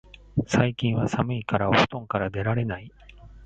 最近は寒いからお布団から出られない